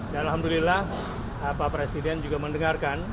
dan alhamdulillah pak presiden juga mendengarkan